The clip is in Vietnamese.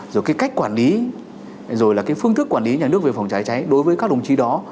rồi cái cách quản lý rồi là cái phương thức quản lý nhà nước về phòng cháy cháy đối với các đồng chí đó